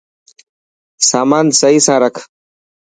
سامان سهي سان رک.